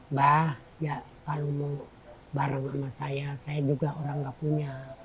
mbak ya kalau mau bareng sama saya saya juga orang gak punya